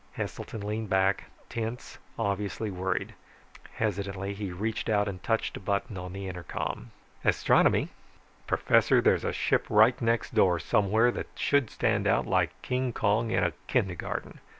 Heselton leaned back, tense, obviously worried. Hesitantly, he reached out and touched a button on the intercom. "Astronomy." "Professor, there's a ship right next door somewhere that should stand out like King Kong in a kindergarten."